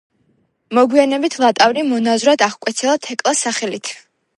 მოგვიანებით ლატავრი მონაზვნად აღკვეცილა თეკლას სახელით.